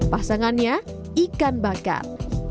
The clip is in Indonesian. pasangannya ikan bakar